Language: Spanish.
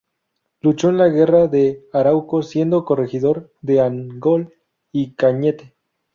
Luchó en la guerra de Arauco siendo corregidor de Angol y Cañete.